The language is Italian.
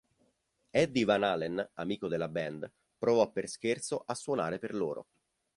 Eddie Van Halen, amico della band, provò per scherzo a suonare per loro.